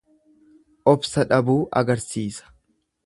Obsa dhabuu agarsiisa.